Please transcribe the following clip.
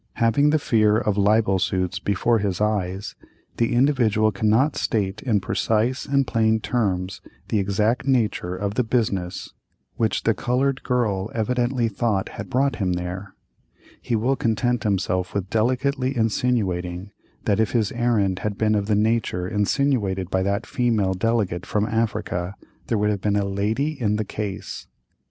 Having the fear of libel suits before his eyes, the Individual cannot state in precise and plain terms the exact nature of the business which the colored girl evidently thought had brought him there; he will content himself with delicately insinuating, that if his errand had been of the nature insinuated by that female delegate from Africa, there would have been a "lady in the case."